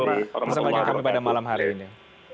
bersama dengan kami pada malam hari ini